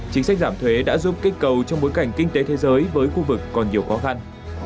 chính sách giảm thuế đã giúp kích cầu trong bối cảnh kinh tế thế giới với khu vực còn nhiều khó khăn